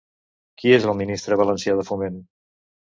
Qui és el ministre valencià de Foment?